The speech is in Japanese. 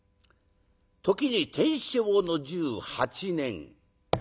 時に天正の１８年。